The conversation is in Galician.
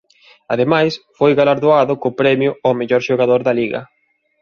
Ademais foi galardoado co premio ao mellor xogador da liga.